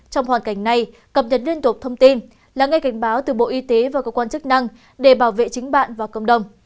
trong hoàn cảnh này cập nhật liên tục thông tin lắng nghe cảnh báo từ bộ y tế và cơ quan chức năng để bảo vệ chính bạn và cộng đồng